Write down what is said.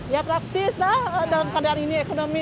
ya praktis lah dalam keadaan ini ekonomi